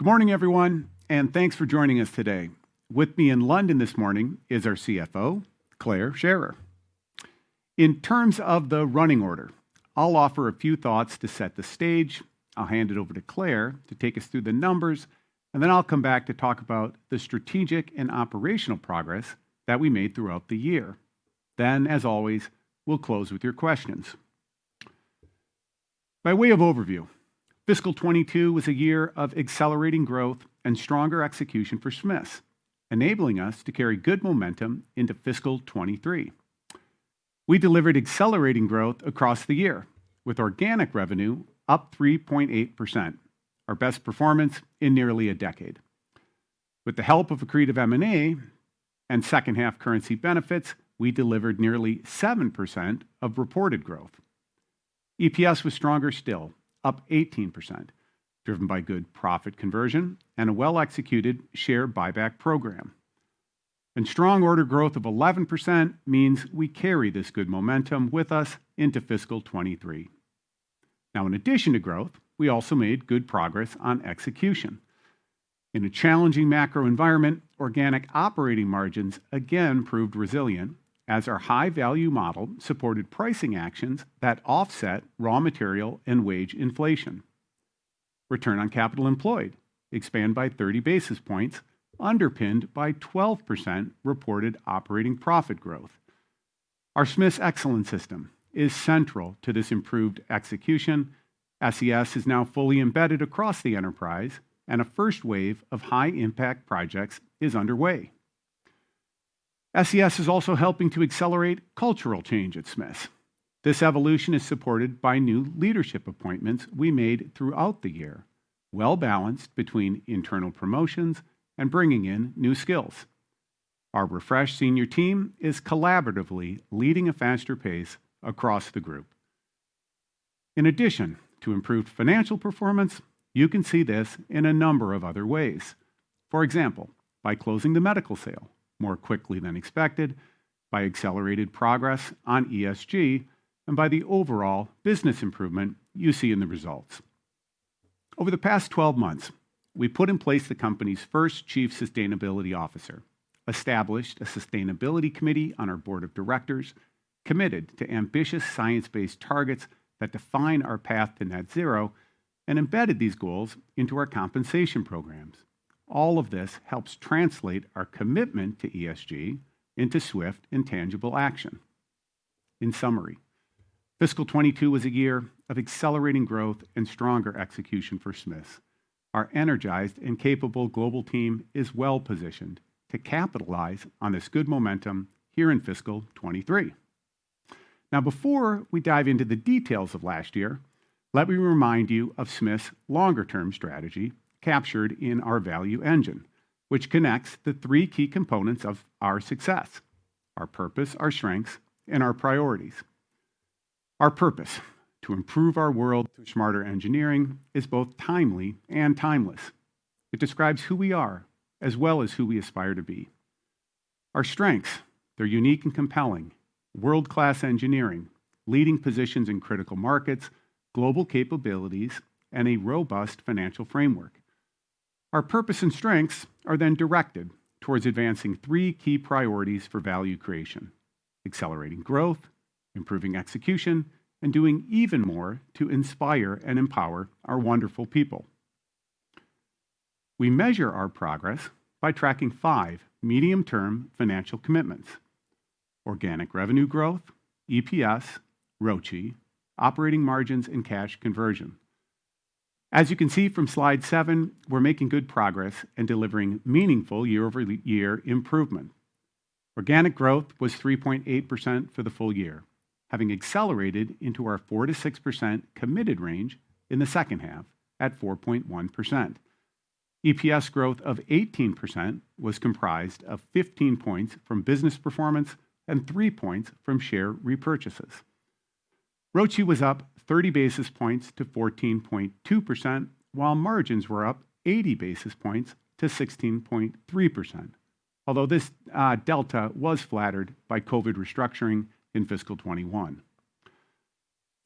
Good morning everyone, and thanks for joining us today. With me in London this morning is our CFO, Clare Scherrer. In terms of the running order, I'll offer a few thoughts to set the stage, I'll hand it over to Clare to take us through the numbers, and then I'll come back to talk about the strategic and operational progress that we made throughout the year. Then, as always, we'll close with your questions. By way of overview, fiscal 2022 was a year of accelerating growth and stronger execution for Smiths, enabling us to carry good momentum into fiscal 2023. We delivered accelerating growth across the year, with organic revenue up 3.8%, our best performance in nearly a decade. With the help of accretive M&A and second half currency benefits, we delivered nearly 7% of reported growth. EPS was stronger still, up 18%, driven by good profit conversion and a well-executed share buyback program. Strong order growth of 11% means we carry this good momentum with us into fiscal 2023. Now in addition to growth, we also made good progress on execution. In a challenging macro environment, organic operating margins again proved resilient as our high-value model supported pricing actions that offset raw material and wage inflation. Return on capital employed expand by 30 basis points, underpinned by 12% reported operating profit growth. Our Smiths Excellence System is central to this improved execution. SES is now fully embedded across the enterprise, and a first wave of high-impact projects is underway. SES is also helping to accelerate cultural change at Smiths. This evolution is supported by new leadership appointments we made throughout the year, well-balanced between internal promotions and bringing in new skills. Our refreshed senior team is collaboratively leading a faster pace across the group. In addition to improved financial performance, you can see this in a number of other ways. For example, by closing the medical sale more quickly than expected, by accelerated progress on ESG, and by the overall business improvement you see in the results. Over the past 12 months, we put in place the company's first Chief Sustainability Officer, established a sustainability committee on our board of directors, committed to ambitious science-based targets that define our path to net zero, and embedded these goals into our compensation programs. All of this helps translate our commitment to ESG into swift and tangible action. In summary, fiscal 22 was a year of accelerating growth and stronger execution for Smiths. Our energized and capable global team is well-positioned to capitalize on this good momentum here in fiscal 23. Now before we dive into the details of last year, let me remind you of Smiths' longer term strategy captured in our Value Engine, which connects the three key components of our success, our purpose, our strengths, and our priorities. Our purpose, to improve our world through smarter engineering, is both timely and timeless. It describes who we are as well as who we aspire to be. Our strengths, they're unique and compelling, world-class engineering, leading positions in critical markets, global capabilities, and a robust financial framework. Our purpose and strengths are then directed towards advancing three key priorities for value creation, accelerating growth, improving execution, and doing even more to inspire and empower our wonderful people. We measure our progress by tracking five medium-term financial commitments, organic revenue growth, EPS, ROCE, operating margins, and cash conversion. As you can see from slide seven, we're making good progress in delivering meaningful year-over-year improvement. Organic growth was 3.8% for the full year, having accelerated into our 4%-6% committed range in the second half at 4.1%. EPS growth of 18% was comprised of 15 points from business performance and three points from share repurchases. ROCE was up 30 basis points to 14.2%, while margins were up 80 basis points to 16.3%, although this delta was flattered by COVID restructuring in fiscal 2021.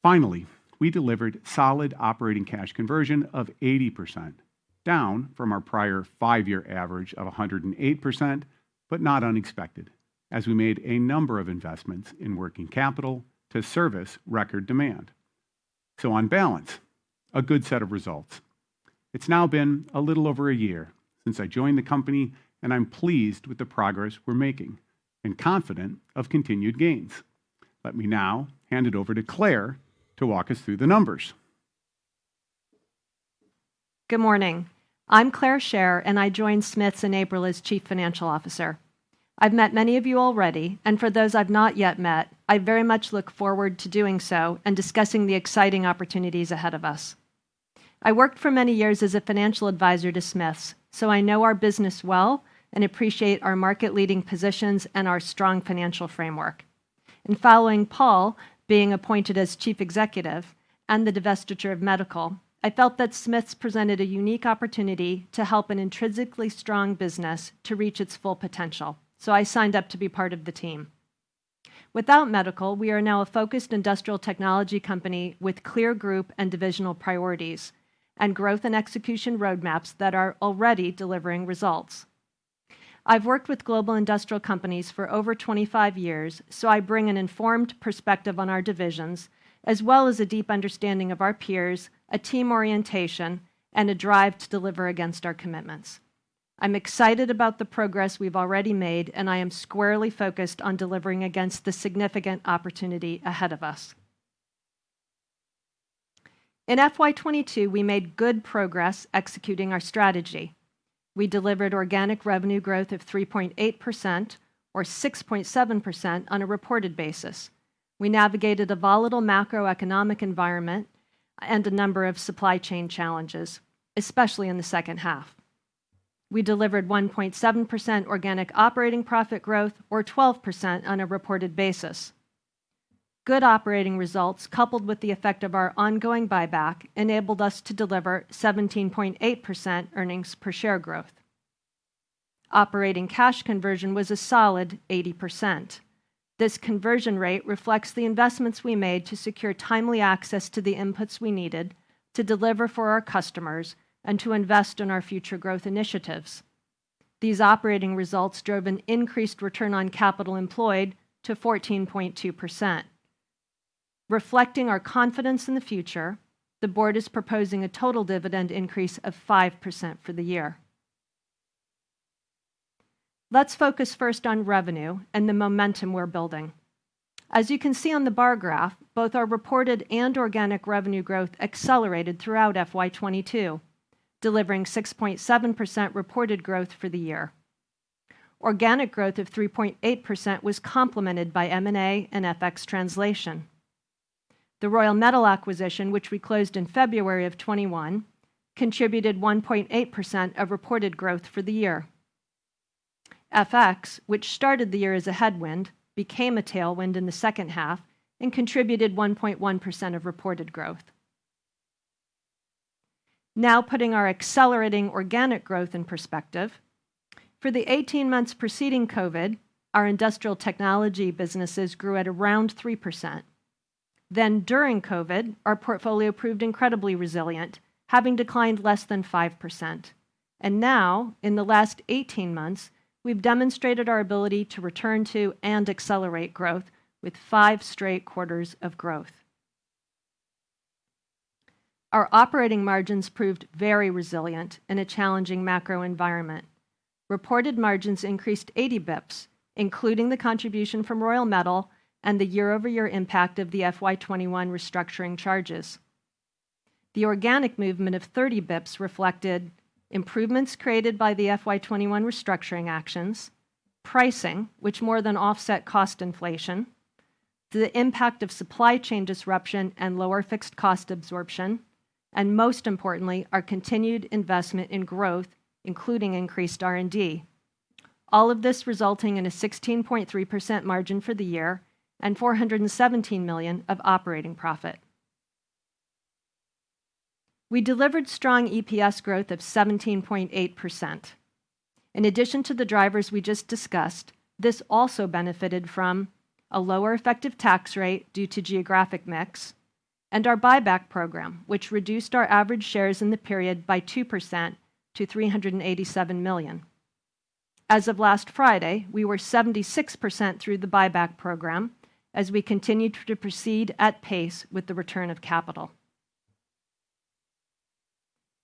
Finally, we delivered solid operating cash conversion of 80%, down from our prior five-year average of 108%, but not unexpected, as we made a number of investments in working capital to service record demand. On balance, a good set of results. It's now been a little over a year since I joined the company, and I'm pleased with the progress we're making and confident of continued gains. Let me now hand it over to Clare to walk us through the numbers. Good morning. I'm Clare Scherrer, and I joined Smiths in April as Chief Financial Officer. I've met many of you already, and for those I've not yet met, I very much look forward to doing so and discussing the exciting opportunities ahead of us. I worked for many years as a financial advisor to Smiths, so I know our business well and appreciate our market leading positions and our strong financial framework. In following Paul being appointed as Chief Executive and the divestiture of Medical, I felt that Smiths presented a unique opportunity to help an intrinsically strong business to reach its full potential. I signed up to be part of the team. Without Medical, we are now a focused industrial technology company with clear group and divisional priorities and growth and execution roadmaps that are already delivering results. I've worked with global industrial companies for over 25 years, so I bring an informed perspective on our divisions as well as a deep understanding of our peers, a team orientation, and a drive to deliver against our commitments. I'm excited about the progress we've already made, and I am squarely focused on delivering against the significant opportunity ahead of us. In FY 2022 we made good progress executing our strategy. We delivered organic revenue growth of 3.8% or 6.7% on a reported basis. We navigated a volatile macroeconomic environment and a number of supply chain challenges, especially in the second half. We delivered 1.7% organic operating profit growth or 12% on a reported basis. Good operating results coupled with the effect of our ongoing buyback enabled us to deliver 17.8% earnings per share growth. Operating cash conversion was a solid 80%. This conversion rate reflects the investments we made to secure timely access to the inputs we needed to deliver for our customers and to invest in our future growth initiatives. These operating results drove an increased return on capital employed to 14.2%. Reflecting our confidence in the future, the board is proposing a total dividend increase of 5% for the year. Let's focus first on revenue and the momentum we're building. As you can see on the bar graph, both our reported and organic revenue growth accelerated throughout FY 2022, delivering 6.7% reported growth for the year. Organic growth of 3.8% was complemented by M&A and FX translation. The Royal Metal Products acquisition, which we closed in February 2021, contributed 1.8% of reported growth for the year. FX, which started the year as a headwind, became a tailwind in the second half and contributed 1.1% of reported growth. Now putting our accelerating organic growth in perspective, for the 18 months preceding COVID, our industrial technology businesses grew at around 3%. During COVID, our portfolio proved incredibly resilient, having declined less than 5%. Now, in the last 18 months, we've demonstrated our ability to return to and accelerate growth with five straight quarters of growth. Our operating margins proved very resilient in a challenging macro environment. Reported margins increased 80 basis points, including the contribution from Royal Metal Products and the year-over-year impact of the FY2021 restructuring charges. The organic movement of 30 basis points reflected improvements created by the FY2021 restructuring actions, pricing which more than offset cost inflation, the impact of supply chain disruption and lower fixed cost absorption, and most importantly, our continued investment in growth, including increased R&D. All of this resulting in a 16.3% margin for the year and 417 million of operating profit. We delivered strong EPS growth of 17.8%. In addition to the drivers we just discussed, this also benefited from a lower effective tax rate due to geographic mix and our buyback program, which reduced our average shares in the period by 2% to 387 million. As of last Friday, we were 76% through the buyback program as we continued to proceed at pace with the return of capital.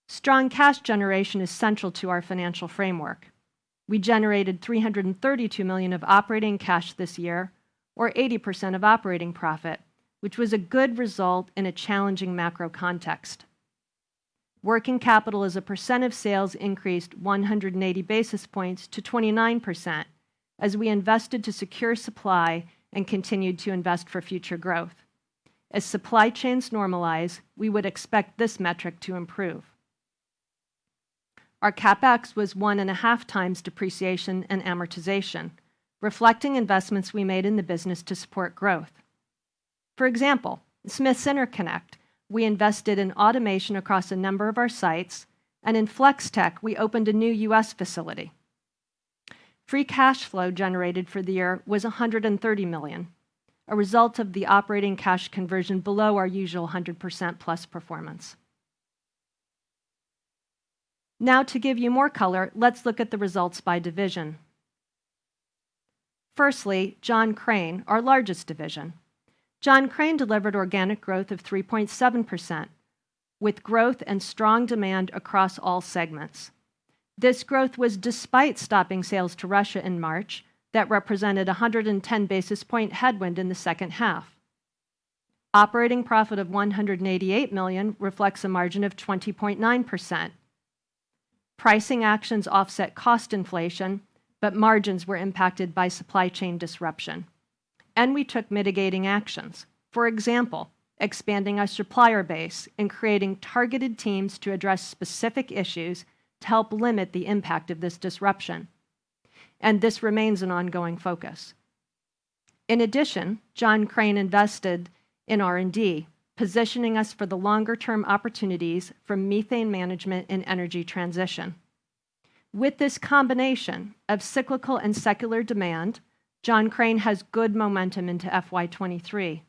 Strong cash generation is central to our financial framework. We generated 332 million of operating cash this year or 80% of operating profit, which was a good result in a challenging macro context. Working capital as a percent of sales increased 180 basis points to 29% as we invested to secure supply and continued to invest for future growth. As supply chains normalize, we would expect this metric to improve. Our CapEx was 1.5x depreciation and amortization, reflecting investments we made in the business to support growth. For example, Smiths Interconnect, we invested in automation across a number of our sites, and in Flex-Tek, we opened a new U.S. facility. Free cash flow generated for the year was 130 million, a result of the operating cash conversion below our usual 100%+ performance. Now to give you more color, let's look at the results by division. Firstly, John Crane, our largest division. John Crane delivered organic growth of 3.7%, with growth in strong demand across all segments. This growth was despite stopping sales to Russia in March that represented 110 basis point headwind in the second half. Operating profit of 188 million reflects a margin of 20.9%. Pricing actions offset cost inflation, but margins were impacted by supply chain disruption. We took mitigating actions, for example, expanding our supplier base and creating targeted teams to address specific issues to help limit the impact of this disruption, and this remains an ongoing focus. In addition, John Crane invested in R&D, positioning us for the longer term opportunities for methane management and energy transition. With this combination of cyclical and secular demand, John Crane has good momentum into FY2023.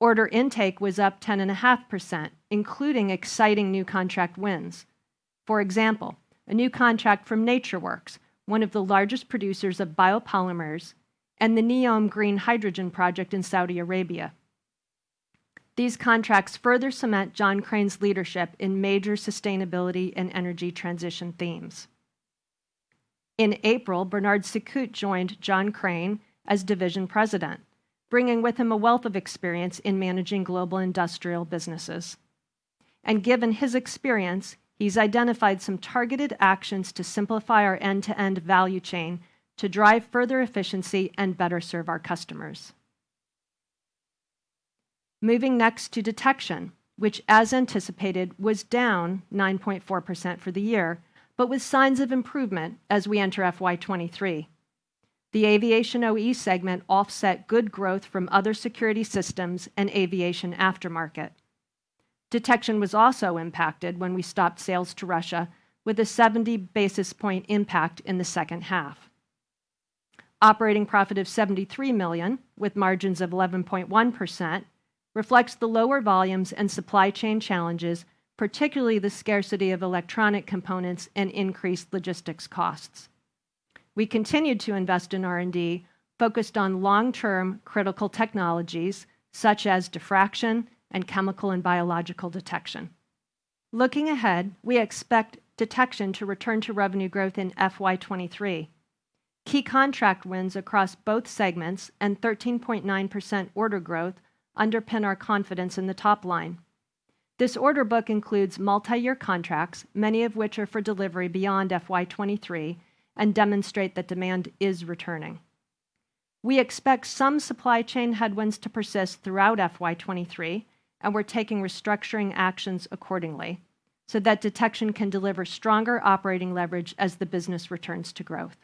Order intake was up 10.5%, including exciting new contract wins. For example, a new contract from NatureWorks, one of the largest producers of biopolymers, and the NEOM Green Hydrogen project in Saudi Arabia. These contracts further cement John Crane's leadership in major sustainability and energy transition themes. In April, Bernard Cicut joined John Crane as Division President, bringing with him a wealth of experience in managing global industrial businesses. Given his experience, he's identified some targeted actions to simplify our end-to-end value chain to drive further efficiency and better serve our customers. Moving next to Detection, which as anticipated, was down 9.4% for the year, but with signs of improvement as we enter FY2023. The aviation OE segment offset good growth from other security systems and aviation aftermarket. Detection was also impacted when we stopped sales to Russia with a 70 basis points impact in the second half. Operating profit of 73 million with margins of 11.1% reflects the lower volumes and supply chain challenges, particularly the scarcity of electronic components and increased logistics costs. We continued to invest in R&D, focused on long-term critical technologies such as diffraction and chemical and biological detection. Looking ahead, we expect Detection to return to revenue growth in FY2023. Key contract wins across both segments and 13.9% order growth underpin our confidence in the top line. This order book includes multi-year contracts, many of which are for delivery beyond FY2023 and demonstrate that demand is returning. We expect some supply chain headwinds to persist throughout FY2023, and we're taking restructuring actions accordingly, so that Detection can deliver stronger operating leverage as the business returns to growth.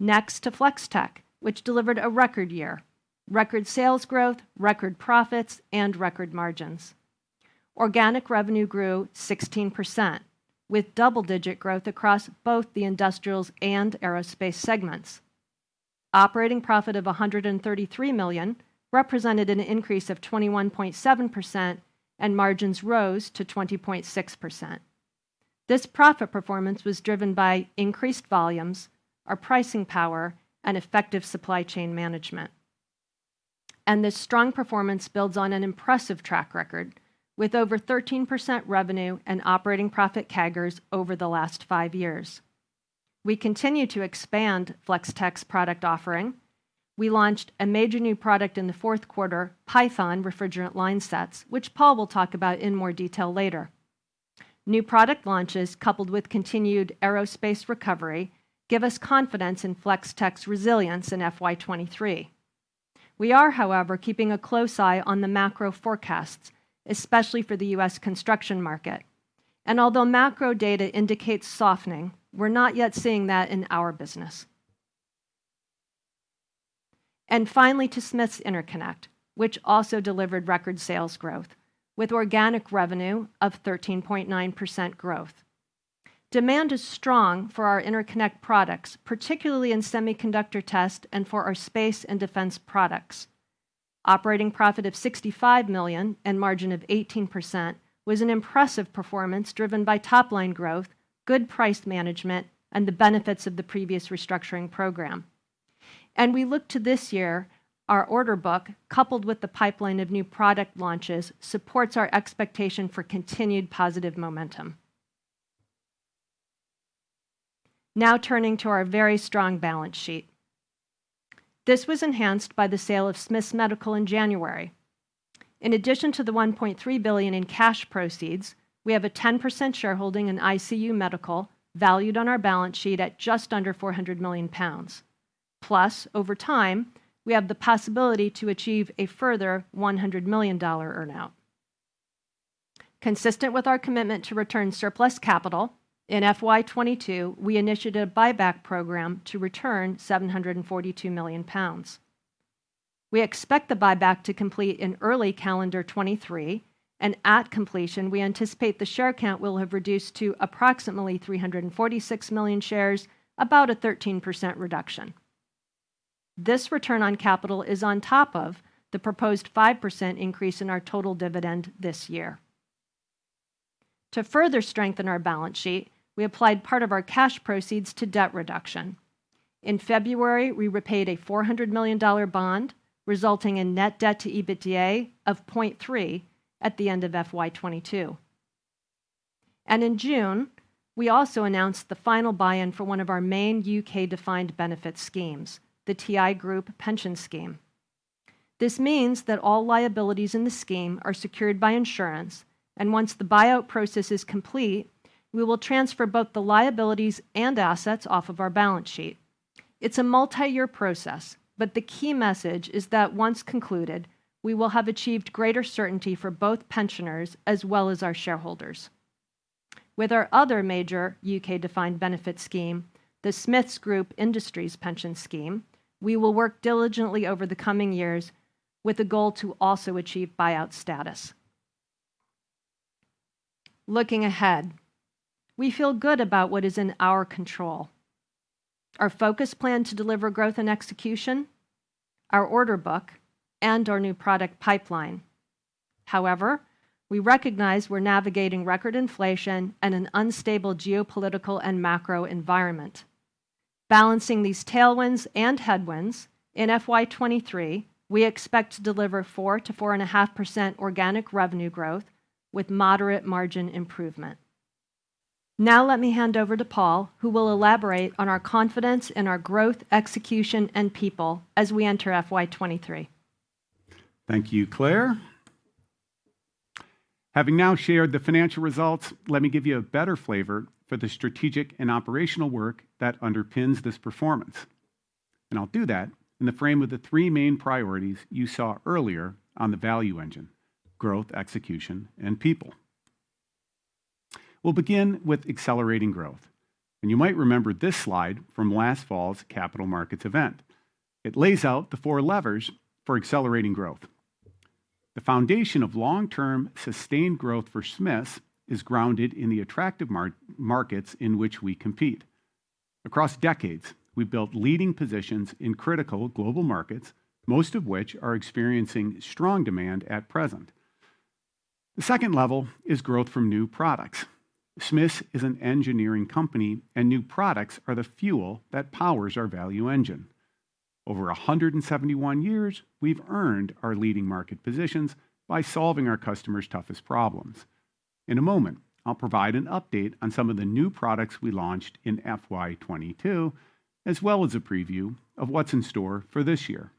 Next to Flex-Tek, which delivered a record year, record sales growth, record profits, and record margins. Organic revenue grew 16% with double-digit growth across both the industrials and aerospace segments. Operating profit of 133 million represented an increase of 21.7% and margins rose to 20.6%. This profit performance was driven by increased volumes, our pricing power, and effective supply chain management. This strong performance builds on an impressive track record with over 13% revenue and operating profit CAGRs over the last five years. We continue to expand Flex-Tek's product offering. We launched a major new product in the fourth quarter, Python refrigerant line sets, which Paul will talk about in more detail later. New product launches coupled with continued aerospace recovery give us confidence in Flex-Tek's resilience in FY2023. We are, however, keeping a close eye on the macro forecasts, especially for the U.S. construction market. Although macro data indicates softening, we're not yet seeing that in our business. Finally, to Smiths Interconnect, which also delivered record sales growth with organic revenue of 13.9% growth. Demand is strong for our interconnect products, particularly in semiconductor test and for our space and defense products. Operating profit of 65 million and margin of 18% was an impressive performance driven by top line growth, good price management, and the benefits of the previous restructuring program. We look to this year, our order book, coupled with the pipeline of new product launches, supports our expectation for continued positive momentum. Now turning to our very strong balance sheet. This was enhanced by the sale of Smiths Medical in January. In addition to the 1.3 billion in cash proceeds, we have a 10% shareholding in ICU Medical, valued on our balance sheet at just under 400 million pounds. Plus, over time, we have the possibility to achieve a further $100 million earn-out. Consistent with our commitment to return surplus capital, in FY 2022, we initiated a buyback program to return 742 million pounds. We expect the buyback to complete in early calendar 2023, and at completion, we anticipate the share count will have reduced to approximately 346 million shares, about a 13% reduction. This return on capital is on top of the proposed 5% increase in our total dividend this year. To further strengthen our balance sheet, we applied part of our cash proceeds to debt reduction. In February, we repaid a $400 million bond, resulting in net debt to EBITDA of 0.3 at the end of FY2022. In June, we also announced the final buy-in for one of our main UK defined benefit schemes, the TI Group Pension Scheme. This means that all liabilities in the scheme are secured by insurance, and once the buyout process is complete, we will transfer both the liabilities and assets off of our balance sheet. It's a multi-year process, but the key message is that once concluded, we will have achieved greater certainty for both pensioners as well as our shareholders. With our other major U.K. defined benefit scheme, the Smiths Industries Pension Scheme, we will work diligently over the coming years. With a goal to also achieve buyout status. Looking ahead, we feel good about what is in our control, our focus plan to deliver growth and execution, our order book, and our new product pipeline. However, we recognize we're navigating record inflation and an unstable geopolitical and macro environment. Balancing these tailwinds and headwinds, in FY2023, we expect to deliver 4%-4.5% organic revenue growth with moderate margin improvement. Now let me hand over to Paul, who will elaborate on our confidence in our growth, execution, and people as we enter FY2023. Thank you, Clare. Having now shared the financial results, let me give you a better flavor for the strategic and operational work that underpins this performance. I'll do that in the frame of the three main priorities you saw earlier on the Value Engine: growth, execution, and people. We'll begin with accelerating growth, and you might remember this slide from last fall's capital markets event. It lays out the four levers for accelerating growth. The foundation of long-term, sustained growth for Smiths is grounded in the attractive markets in which we compete. Across decades, we've built leading positions in critical global markets, most of which are experiencing strong demand at present. The second level is growth from new products. Smiths is an engineering company, and new products are the fuel that powers our Value Engine. Over 171 years, we've earned our leading market positions by solving our customers' toughest problems. In a moment, I'll provide an update on some of the new products we launched in FY2022, as well as a preview of what's in store for this year.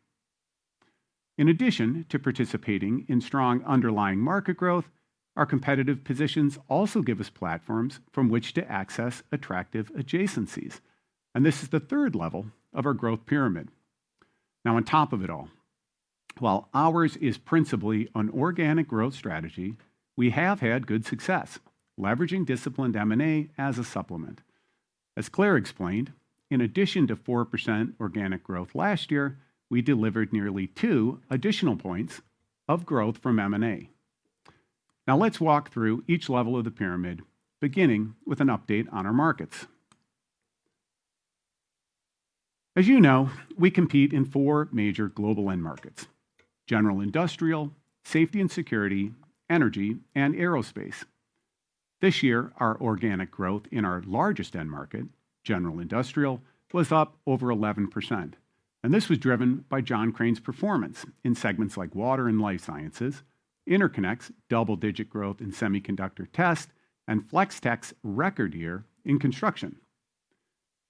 In addition to participating in strong underlying market growth, our competitive positions also give us platforms from which to access attractive adjacencies. This is the third level of our growth pyramid. Now on top of it all, while ours is principally an organic growth strategy, we have had good success leveraging disciplined M&A as a supplement. As Clare explained, in addition to 4% organic growth last year, we delivered nearly two additional points of growth from M&A. Now let's walk through each level of the pyramid, beginning with an update on our markets. As you know, we compete in four major global end markets: general industrial, safety and security, energy, and aerospace. This year, our organic growth in our largest end market, general industrial, was up over 11%, and this was driven by John Crane's performance in segments like water and life sciences, interconnects, double-digit growth in semiconductor test, and Flex-Tek's record year in construction.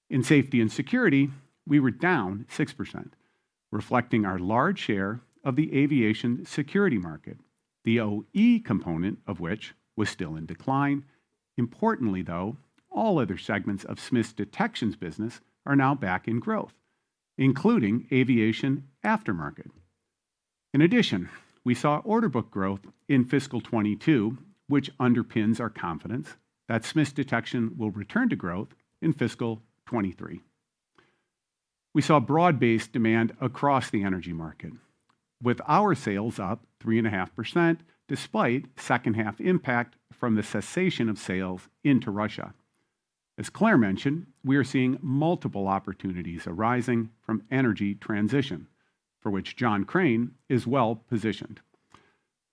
In safety and security, we were down 6%, reflecting our large share of the aviation security market, the OE component of which was still in decline. Importantly, though, all other segments of Smiths Detection's business are now back in growth, including aviation aftermarket. In addition, we saw order book growth in fiscal 2022, which underpins our confidence that Smiths Detection will return to growth in fiscal 2023. We saw broad-based demand across the energy market, with our sales up 3.5% despite second half impact from the cessation of sales into Russia. As Clare mentioned, we are seeing multiple opportunities arising from energy transition, for which John Crane is well-positioned.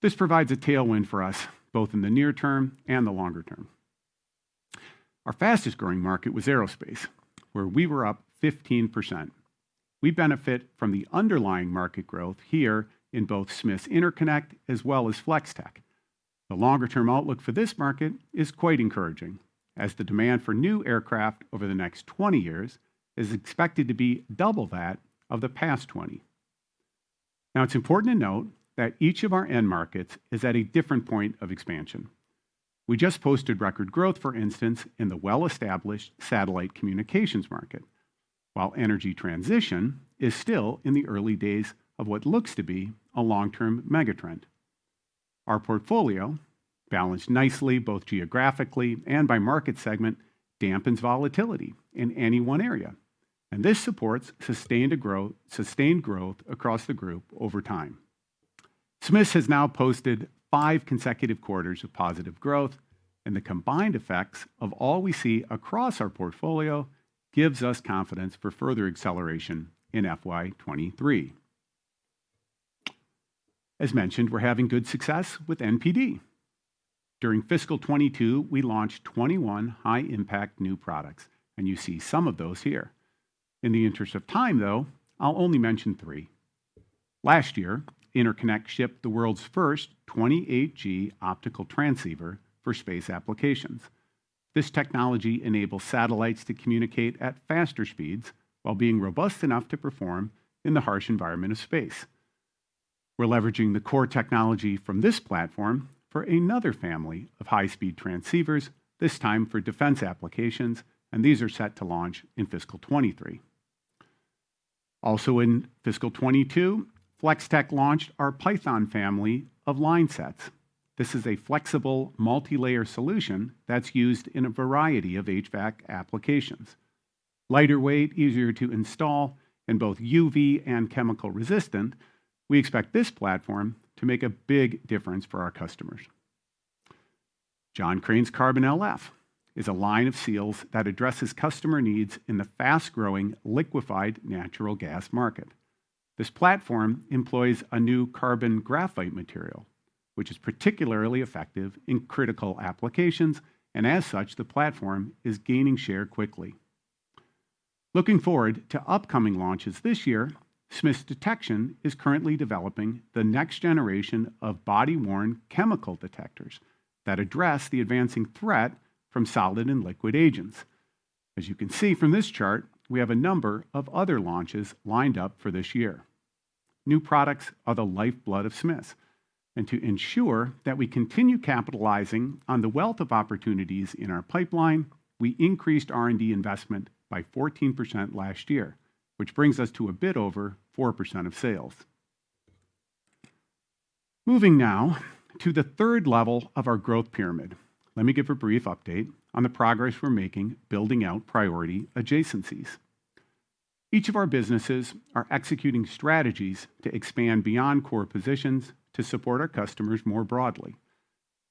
This provides a tailwind for us both in the near term and the longer term. Our fastest-growing market was aerospace, where we were up 15%. We benefit from the underlying market growth here in both Smiths Interconnect as well as Flex-Tek. The longer-term outlook for this market is quite encouraging, as the demand for new aircraft over the next 20 years is expected to be double that of the past 20. Now, it's important to note that each of our end markets is at a different point of expansion. We just posted record growth, for instance, in the well-established satellite communications market, while energy transition is still in the early days of what looks to be a long-term megatrend. Our portfolio, balanced nicely both geographically and by market segment, dampens volatility in any one area, and this supports sustained growth across the group over time. Smiths has now posted five consecutive quarters of positive growth, and the combined effects of all we see across our portfolio gives us confidence for further acceleration in FY 2023. As mentioned, we're having good success with NPD. During fiscal 22, we launched 21 high-impact new products, and you see some of those here. In the interest of time, though, I'll only mention three. Last year, Interconnect shipped the world's first 28G optical transceiver for space applications. This technology enables satellites to communicate at faster speeds while being robust enough to perform in the harsh environment of space. We're leveraging the core technology from this platform for another family of high-speed transceivers, this time for defense applications, and these are set to launch in fiscal 2023. Also in fiscal 2022, Flex-Tek launched our Python family of line sets. This is a flexible multilayer solution that's used in a variety of HVAC applications. Lighter weight, easier to install, and both UV and chemical resistant, we expect this platform to make a big difference for our customers. John Crane's Carbon LF is a line of seals that addresses customer needs in the fast-growing liquefied natural gas market. This platform employs a new carbon graphite material, which is particularly effective in critical applications, and as such, the platform is gaining share quickly. Looking forward to upcoming launches this year, Smiths Detection is currently developing the next generation of body-worn chemical detectors that address the advancing threat from solid and liquid agents. As you can see from this chart, we have a number of other launches lined up for this year. New products are the lifeblood of Smiths, and to ensure that we continue capitalizing on the wealth of opportunities in our pipeline, we increased R&D investment by 14% last year, which brings us to a bit over 4% of sales. Moving now to the third level of our growth pyramid, let me give a brief update on the progress we're making building out priority adjacencies. Each of our businesses are executing strategies to expand beyond core positions to support our customers more broadly.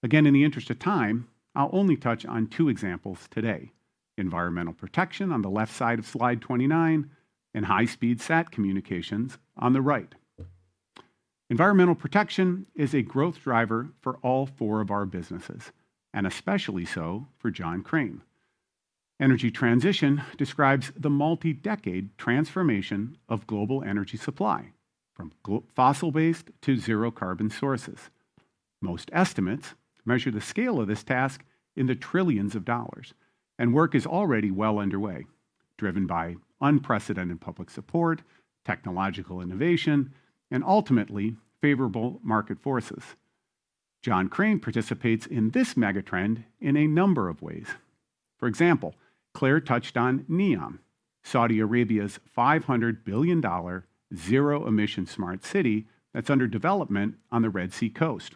In the interest of time, I'll only touch on two examples today, environmental protection on the left side of slide 29 and high-speed SATCOM on the right. Environmental protection is a growth driver for all four of our businesses, and especially so for John Crane. Energy transition describes the multi-decade transformation of global energy supply from fossil-based to zero carbon sources. Most estimates measure the scale of this task in the trillions of dollars, and work is already well underway, driven by unprecedented public support, technological innovation, and ultimately, favorable market forces. John Crane participates in this mega-trend in a number of ways. For example, Clare touched on NEOM, Saudi Arabia's $500 billion zero-emission smart city that's under development on the Red Sea coast.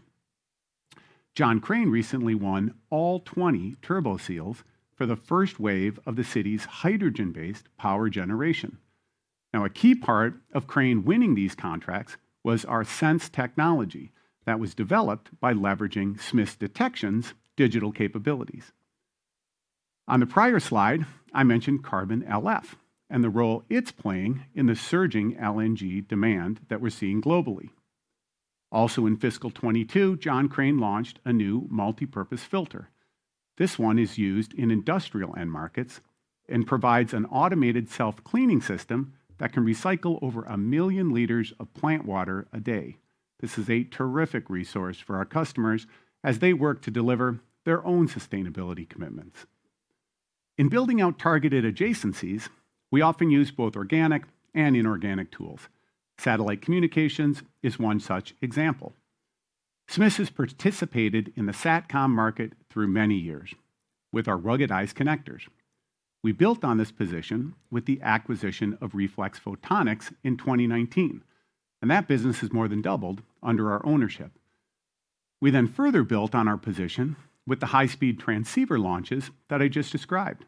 John Crane recently won all 20 turbo seals for the first wave of the city's hydrogen-based power generation. A key part of Crane winning these contracts was our Sense technology that was developed by leveraging Smiths Detection's digital capabilities. On the prior slide, I mentioned Carbon LF and the role it's playing in the surging LNG demand that we're seeing globally. Also in fiscal 2022, John Crane launched a new multipurpose filter. This one is used in industrial end markets and provides an automated self-cleaning system that can recycle over 1 million liters of plant water a day. This is a terrific resource for our customers as they work to deliver their own sustainability commitments. In building out targeted adjacencies, we often use both organic and inorganic tools. Satellite communications is one such example. Smiths has participated in the SATCOM market through many years with our ruggedized connectors. We built on this position with the acquisition of Reflex Photonics in 2019, and that business has more than doubled under our ownership. We then further built on our position with the high-speed transceiver launches that I just described.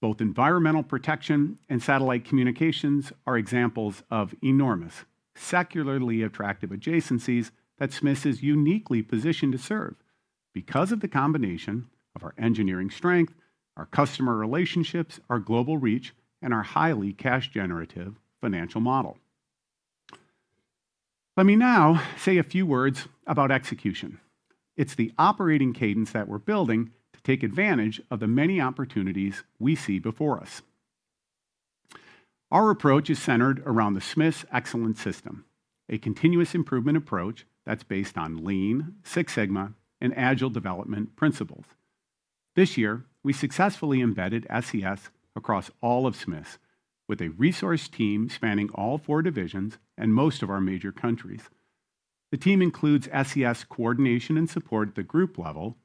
Both environmental protection and satellite communications are examples of enormous, secularly attractive adjacencies that Smiths is uniquely positioned to serve because of the combination of our engineering strength, our customer relationships, our global reach, and our highly cash generative financial model. Let me now say a few words about execution. It's the operating cadence that we're building to take advantage of the many opportunities we see before us. Our approach is centered around the Smiths Excellence System, a continuous improvement approach that's based on Lean, Six Sigma, and Agile development principles. This year, we successfully embedded SES across all of Smiths with a resource team spanning all four divisions and most of our major countries. The team includes SES coordination and support at the group level,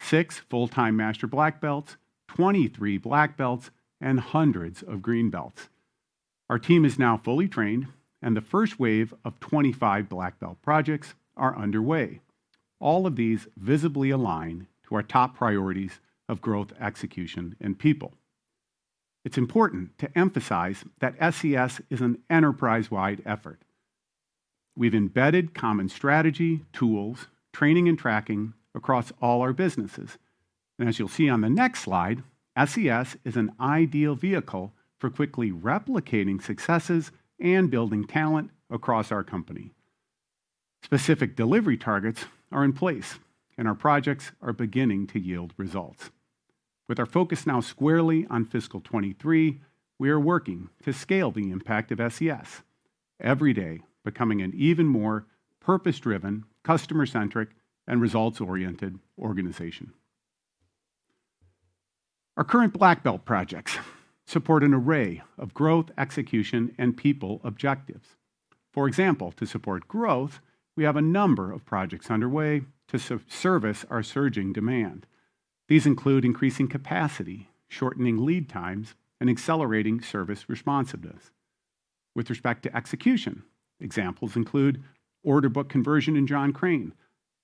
6 full-time master black belts, 23 black belts, and hundreds of green belts. Our team is now fully trained, and the first wave of 25 black belt projects are underway. All of these visibly align to our top priorities of growth, execution, and people. It's important to emphasize that SES is an enterprise-wide effort. We've embedded common strategy, tools, training, and tracking across all our businesses. As you'll see on the next slide, SES is an ideal vehicle for quickly replicating successes and building talent across our company. Specific delivery targets are in place, and our projects are beginning to yield results. With our focus now squarely on fiscal 2023, we are working to scale the impact of SES, every day becoming an even more purpose-driven, customer-centric, and results-oriented organization. Our current black belt projects support an array of growth, execution, and people objectives. For example, to support growth, we have a number of projects underway to service our surging demand. These include increasing capacity, shortening lead times, and accelerating service responsiveness. With respect to execution, examples include order book conversion in John Crane,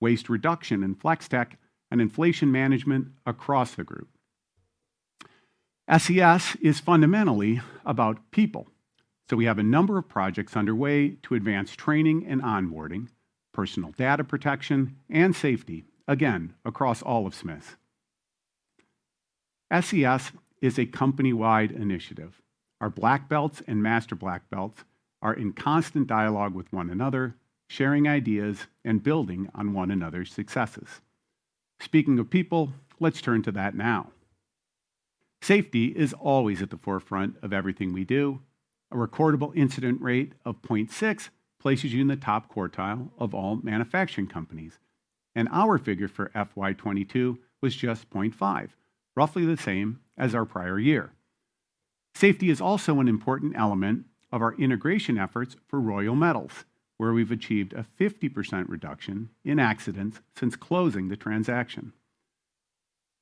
waste reduction in Flex-Tek, and inflation management across the group. SES is fundamentally about people, so we have a number of projects underway to advance training and onboarding, personal data protection, and safety, again, across all of Smith. SES is a company-wide initiative. Our black belts and master black belts are in constant dialogue with one another, sharing ideas and building on one another's successes. Speaking of people, let's turn to that now. Safety is always at the forefront of everything we do. A recordable incident rate of 0.6 places you in the top quartile of all manufacturing companies, and our figure for FY2022 was just 0.5, roughly the same as our prior year. Safety is also an important element of our integration efforts for Royal Metal Products, where we've achieved a 50% reduction in accidents since closing the transaction.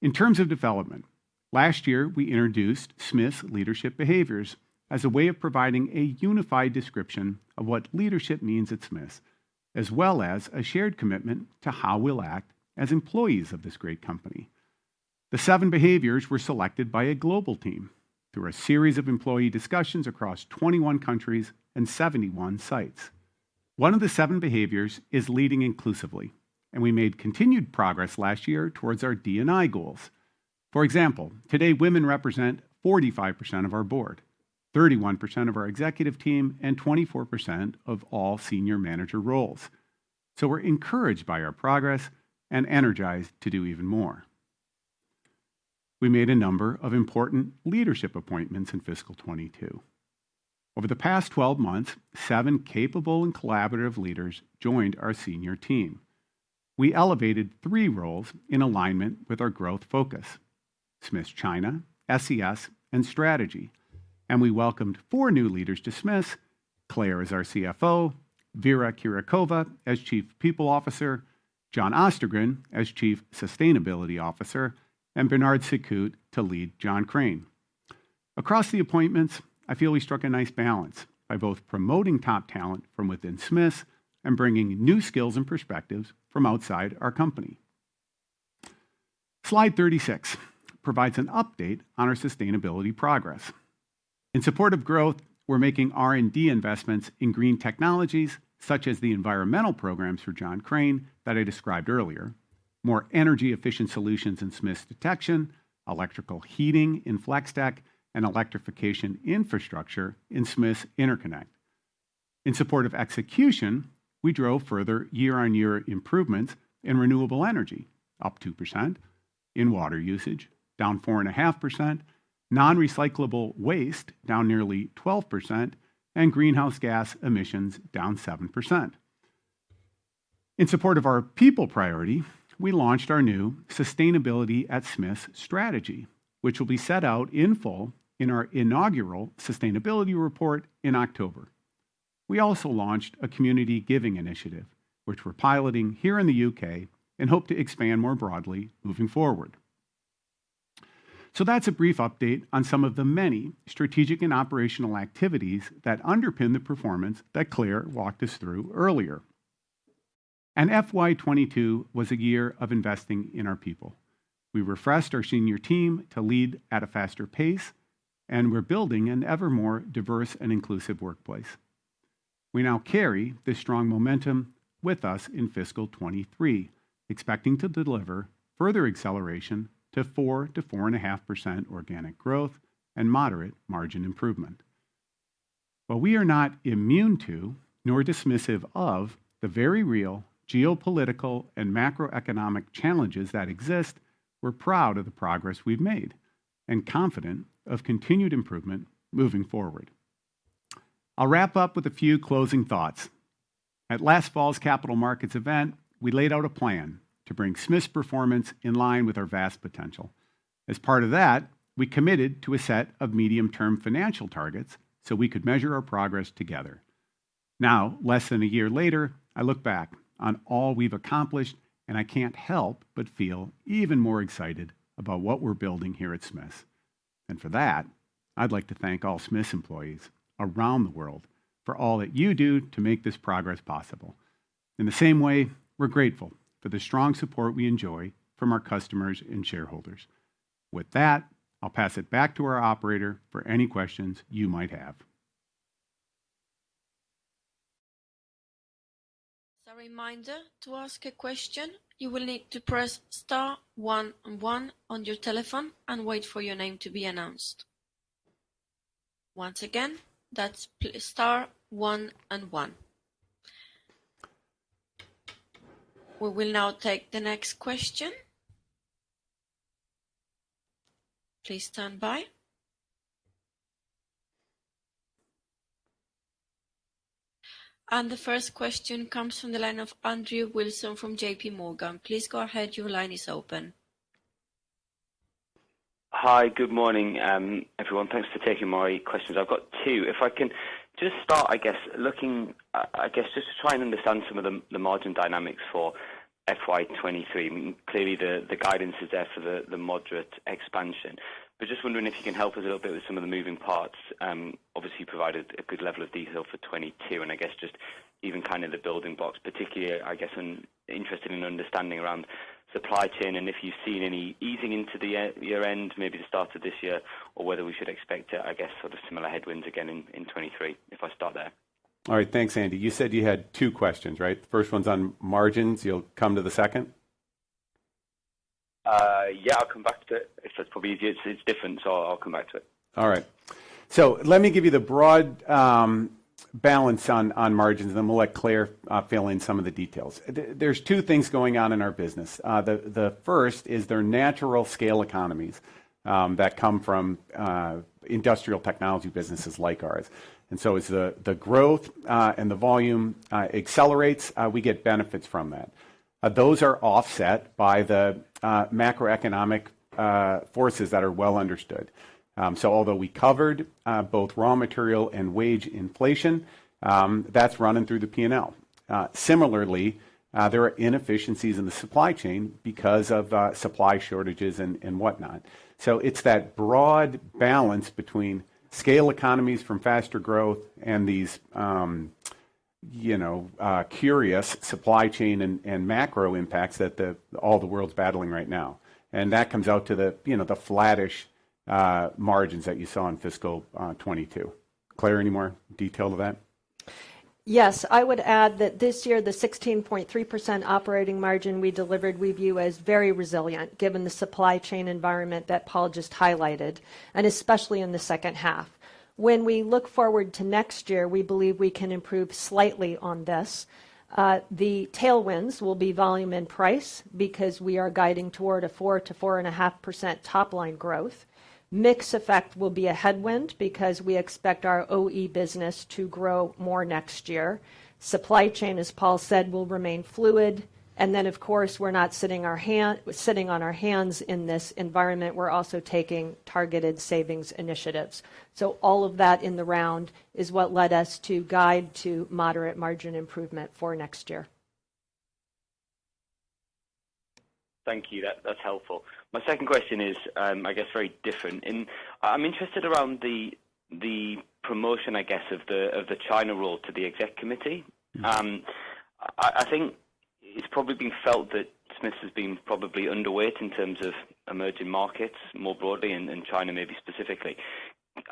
In terms of development, last year, we introduced Smiths leadership behaviors as a way of providing a unified description of what leadership means at Smiths, as well as a shared commitment to how we'll act as employees of this great company. The seven behaviors were selected by a global team through a series of employee discussions across 21 countries and 71 sites. One of the seven behaviors is leading inclusively, and we made continued progress last year towards our D&I goals. For example, today, women represent 45% of our board, 31% of our executive team, and 24% of all senior manager roles. We're encouraged by our progress and energized to do even more. We made a number of important leadership appointments in fiscal 22. Over the past 12 months, seven capable and collaborative leaders joined our senior team. We elevated three roles in alignment with our growth focus, Smiths China, SES, and Strategy. We welcomed four new leaders to Smiths, Clare as our CFO, Vira Kirakova as Chief People Officer, John Ostergren as Chief Sustainability Officer, and Bernard Secout to lead John Crane. Across the appointments, I feel we struck a nice balance by both promoting top talent from within Smiths and bringing new skills and perspectives from outside our company. Slide 36 provides an update on our sustainability progress. In support of growth, we're making R&D investments in green technologies, such as the environmental programs for John Crane that I described earlier, more energy-efficient solutions in Smiths Detection, electrical heating in Flex-Tek, and electrification infrastructure in Smiths Interconnect. In support of execution, we drove further year-on-year improvements in renewable energy, up 2%, in water usage, down 4.5%, non-recyclable waste, down nearly 12%, and greenhouse gas emissions, down 7%. In support of our people priority, we launched our new Sustainability at Smiths strategy, which will be set out in full in our inaugural sustainability report in October. We also launched a community giving initiative, which we're piloting here in the U.K. and hope to expand more broadly moving forward. That's a brief update on some of the many strategic and operational activities that underpin the performance that Clare walked us through earlier. FY2022 was a year of investing in our people. We refreshed our senior team to lead at a faster pace, and we're building an ever more diverse and inclusive workplace. We now carry this strong momentum with us in fiscal 2023, expecting to deliver further acceleration to 4%-4.5% organic growth and moderate margin improvement. While we are not immune to nor dismissive of the very real geopolitical and macroeconomic challenges that exist, we're proud of the progress we've made and confident of continued improvement moving forward. I'll wrap up with a few closing thoughts. At last fall's capital markets event, we laid out a plan to bring Smiths' performance in line with our vast potential. As part of that, we committed to a set of medium-term financial targets so we could measure our progress together. Now, less than a year later, I look back on all we've accomplished, and I can't help but feel even more excited about what we're building here at Smiths. For that, I'd like to thank all Smiths' employees around the world for all that you do to make this progress possible. In the same way, we're grateful for the strong support we enjoy from our customers and shareholders. With that, I'll pass it back to our operator for any questions you might have. A reminder, to ask a question, you will need to press star one one on your telephone and wait for your name to be announced. Once again, that's star one and one. We will now take the next question. Please stand by. The first question comes from the line of Andrew Wilson from J.P. Morgan. Please go ahead. Your line is open. Hi. Good morning, everyone. Thanks for taking my questions. I've got two. If I can just start, I guess, looking, I guess, just to try and understand some of the margin dynamics for FY2023. Clearly, the guidance is there for the moderate expansion. I was just wondering if you can help us a little bit with some of the moving parts. Obviously you provided a good level of detail for 2022, and I guess just even kind of the building blocks, particularly, I guess I'm interested in understanding around supply chain and if you've seen any easing into the year-end, maybe the start of this year or whether we should expect it, I guess, sort of similar headwinds again in 2023. If I stop there. All right. Thanks, Andy. You said you had two questions, right? First one's on margins. You'll come to the second? Yeah, I'll come back to it. It's just probably easier. It's different, so I'll come back to it. All right. Let me give you the broad balance on margins, then we'll let Clare fill in some of the details. There are two things going on in our business. The first is there are natural scale economies that come from industrial technology businesses like ours. As the growth and the volume accelerates, we get benefits from that. Those are offset by the macroeconomic forces that are well understood. Although we covered both raw material and wage inflation, that's running through the P&L. Similarly, there are inefficiencies in the supply chain because of supply shortages and whatnot. It's that broad balance between scale economies from faster growth and these, you know, current supply chain and macro impacts that all the world's battling right now. That comes out to the, you know, the flattish margins that you saw in fiscal 2022. Clare, any more detail to that? Yes. I would add that this year, the 16.3% operating margin we delivered we view as very resilient given the supply chain environment that Paul just highlighted, and especially in the second half. When we look forward to next year, we believe we can improve slightly on this. The tailwinds will be volume and price because we are guiding toward a 4%-4.5% top line growth. Mix effect will be a headwind because we expect our OE business to grow more next year. Supply chain, as Paul said, will remain fluid. Of course, we're not sitting on our hands in this environment. We're also taking targeted savings initiatives. All of that in the round is what led us to guide to moderate margin improvement for next year. Thank you. That, that's helpful. My second question is, I guess very different. I'm interested around the promotion, I guess, of the China role to the exec committee. Mm-hmm. I think it's probably been felt that Smiths has been probably underweight in terms of emerging markets more broadly and China maybe specifically.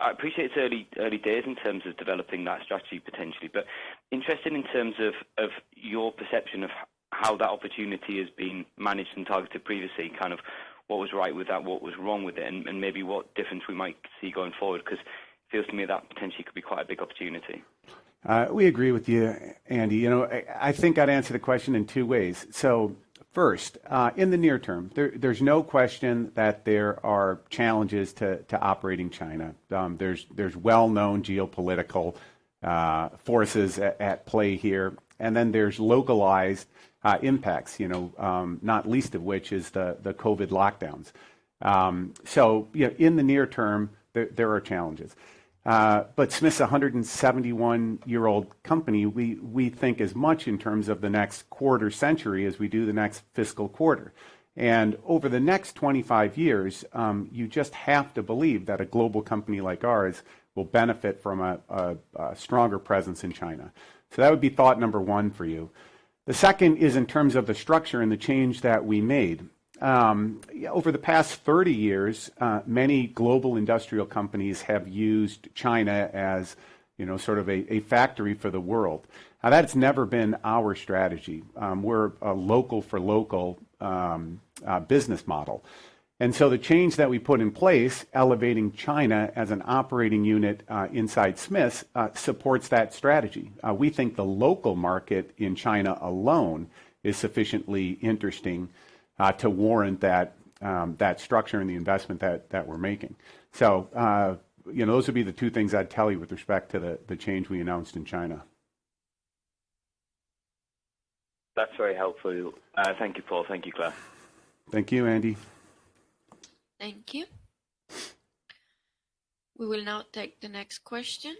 I appreciate it's early days in terms of developing that strategy potentially, but interested in terms of your perception of how that opportunity is being managed and targeted previously, kind of what was right with that, what was wrong with it, and maybe what difference we might see going forward. 'Cause it feels to me that potentially could be quite a big opportunity. We agree with you, Andy. You know, I think I'd answer the question in two ways. First, in the near term, there's no question that there are challenges to operating in China. There's well-known geopolitical forces at play here, and then there's localized impacts, you know, not least of which is the COVID lockdowns. In the near term, there are challenges. Smiths is a 171-year-old company. We think as much in terms of the next quarter century as we do the next fiscal quarter. Over the next 25 years, you just have to believe that a global company like ours will benefit from a stronger presence in China. That would be thought number one for you. The second is in terms of the structure and the change that we made. Over the past 30 years, many global industrial companies have used China as, you know, sort of a factory for the world. Now, that's never been our strategy. We're a local for local business model. The change that we put in place, elevating China as an operating unit inside Smiths, supports that strategy. We think the local market in China alone is sufficiently interesting to warrant that structure and the investment that we're making. You know, those would be the two things I'd tell you with respect to the change we announced in China. That's very helpful. Thank you, Paul. Thank you, Clare. Thank you, Andy. Thank you. We will now take the next question.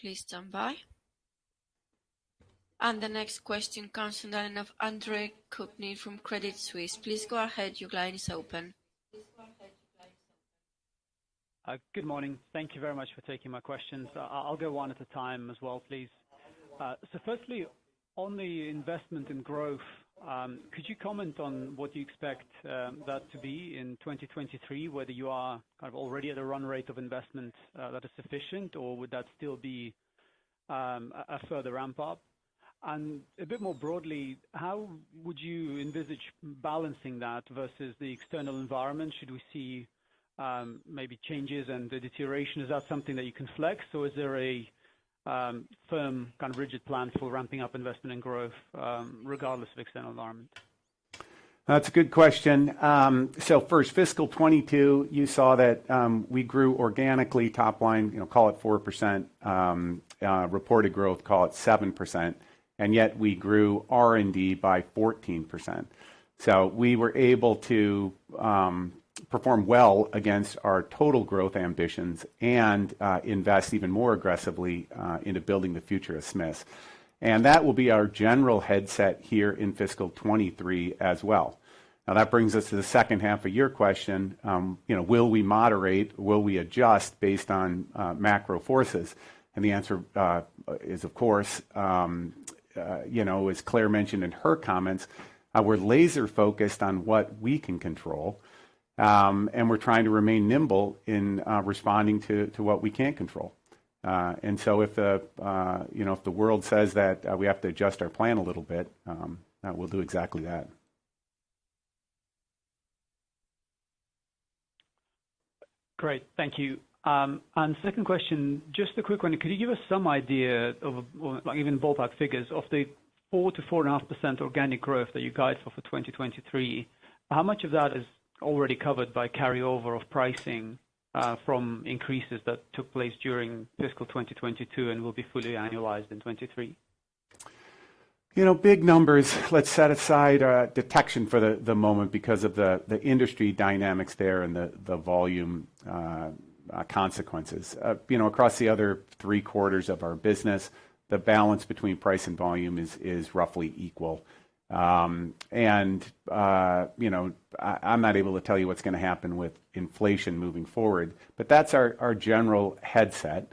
Please stand by. The next question comes in line of Andre Kukhnin from Credit Suisse. Please go ahead, your line is open. Good morning. Thank you very much for taking my questions. I'll go one at a time as well, please. Firstly, on the investment and growth, could you comment on what you expect that to be in 2023? Whether you are kind of already at a run rate of investment that is sufficient, or would that still be a further ramp up? A bit more broadly, how would you envisage balancing that versus the external environment should we see maybe changes and the deterioration? Is that something that you can flex, or is there a firm kind of rigid plan for ramping up investment and growth regardless of external environment? That's a good question. First, FY2022, you saw that we grew organically top line, you know, call it 4%, reported growth, call it 7%, and yet we grew R&D by 14%. We were able to perform well against our total growth ambitions and invest even more aggressively into building the future of Smiths. That will be our general mindset here in FY2023 as well. Now, that brings us to the second half of your question. You know, will we moderate, will we adjust based on macro forces? The answer is of course. You know, as Clare mentioned in her comments, we're laser-focused on what we can control. We're trying to remain nimble in responding to what we can't control. You know, if the world says that we have to adjust our plan a little bit, we'll do exactly that. Great. Thank you. Second question, just a quick one. Could you give us some idea of, like, even ballpark figures of the 4%-4.5% organic growth that you guys offer 2023, how much of that is already covered by carryover of pricing from increases that took place during fiscal 2022 and will be fully annualized in 2023? You know, big numbers. Let's set aside detection for the moment because of the industry dynamics there and the volume consequences. You know, across the other three-quarters of our business, the balance between price and volume is roughly equal. You know, I'm not able to tell you what's gonna happen with inflation moving forward, but that's our general mindset.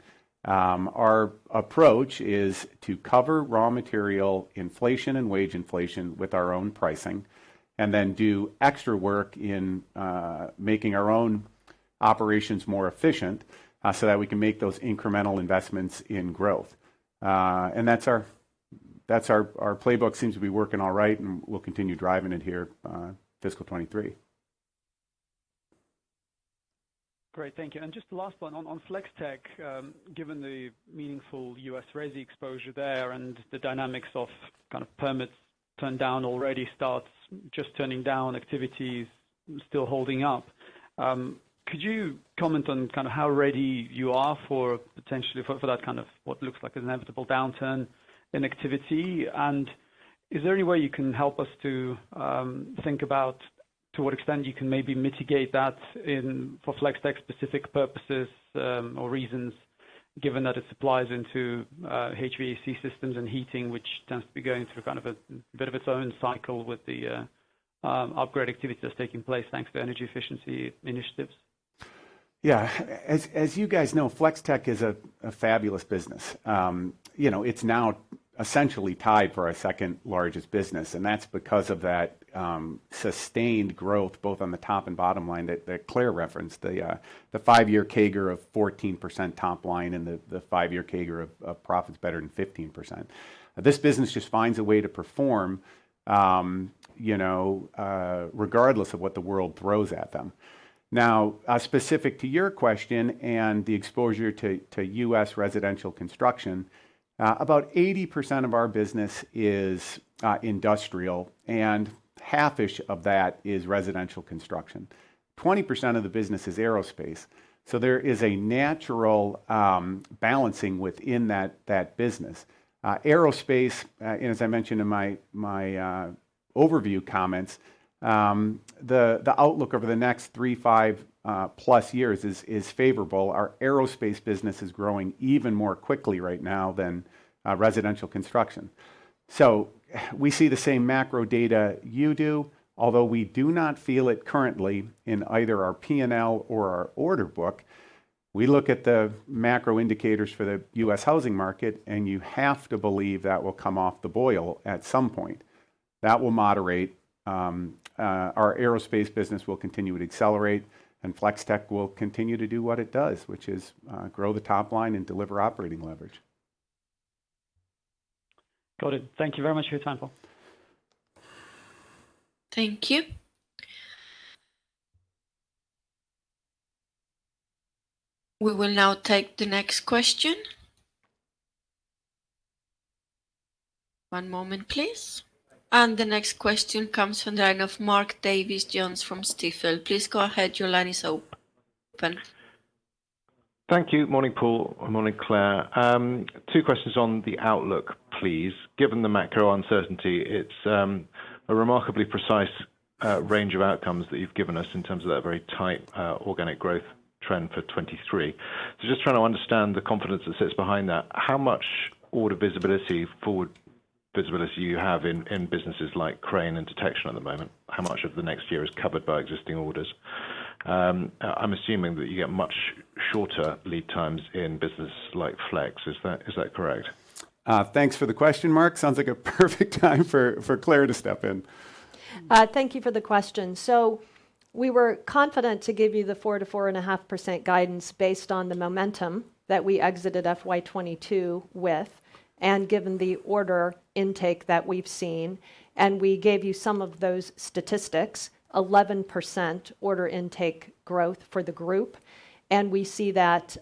Our approach is to cover raw material inflation and wage inflation with our own pricing, and then do extra work in making our own operations more efficient, so that we can make those incremental investments in growth. That's our playbook seems to be working all right, and we'll continue driving it here, fiscal 23. Great. Thank you. Just the last one on Flex-Tek, given the meaningful U.S. resi exposure there and the dynamics of kind of permits turned down already, starts just turning down activities still holding up, could you comment on kind of how ready you are for potentially for that kind of what looks like an inevitable downturn in activity? Is there any way you can help us to think about to what extent you can maybe mitigate that in for Flex-Tek specific purposes or reasons given that it supplies into HVAC systems and heating, which tends to be going through kind of a bit of its own cycle with the upgrade activity that's taking place thanks to energy efficiency initiatives? Yeah. As you guys know, Flex-Tek is a fabulous business. You know, it's now essentially tied for our second-largest business, and that's because of that sustained growth both on the top and bottom line that Clare referenced, the five-year CAGR of 14% top line and the five-year CAGR of profits better than 15%. This business just finds a way to perform, you know, regardless of what the world throws at them. Now, specific to your question and the exposure to U.S. residential construction, about 80% of our business is industrial, and half-ish of that is residential construction. 20% of the business is aerospace, so there is a natural balancing within that business. Aerospace and as I mentioned in my overview comments, the outlook over the next 3-5 plus years is favorable. Our aerospace business is growing even more quickly right now than residential construction. We see the same macro data you do, although we do not feel it currently in either our P&L or our order book. We look at the macro indicators for the U.S. housing market, and you have to believe that will come off the boil at some point. That will moderate our aerospace business will continue to accelerate, and Flex-Tek will continue to do what it does, which is grow the top line and deliver operating leverage. Got it. Thank you very much for your time, Paul. Thank you. We will now take the next question. One moment, please. The next question comes from the line of Mark Davies Jones from Stifel. Please go ahead. Your line is open. Thank you. Morning, Paul. Morning, Clare. Two questions on the outlook, please. Given the macro uncertainty, it's a remarkably precise range of outcomes that you've given us in terms of that very tight organic growth trend for 2023. Just trying to understand the confidence that sits behind that. How much order visibility, forward visibility you have in businesses like Crane and Detection at the moment? How much of the next year is covered by existing orders? I'm assuming that you get much shorter lead times in business like Flex. Is that correct? Thanks for the question, Mark. Sounds like a perfect time for Clare to step in. Thank you for the question. We were confident to give you the 4%-4.5% guidance based on the momentum that we exited FY2022 with, and given the order intake that we've seen, and we gave you some of those statistics, 11% order intake growth for the group. We see that,